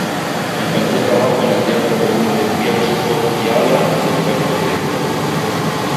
Encontró trabajo en el teatro alemán de Bielsko-Biała, del cual fue director.